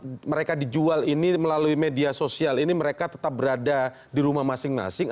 jika mereka dijual ini melalui media sosial ini mereka tetap berada di rumah masing masing